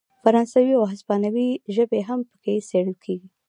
فرانسوي او هسپانوي ژبې هم پکې څیړل کیږي.